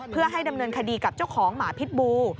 เพื่อให้ดำเนินคดีกับเจ้าของหมาพิษบู